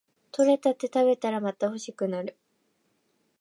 採れたて食べたらまた欲しくなる